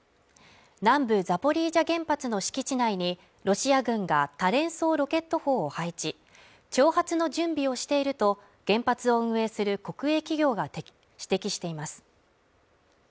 南部ザポリージャ原発の敷地内にロシア軍が多連装ロケット砲を配置挑発の準備をしていると原発を運営する国営企業が指摘しています